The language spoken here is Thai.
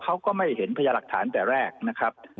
เขาก็ไม่เห็นพญาหลักฐานแต่แรกนะครับ